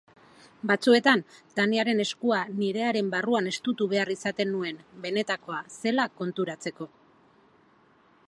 Batzuetan Taniaren eskua nirearen barruan estutu behar izaten nuen, benetakoa zela konturatzeko.